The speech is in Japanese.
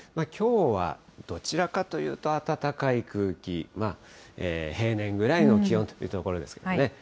きょうはどちらかというと、暖かい空気、平年ぐらいの気温というところですけどね。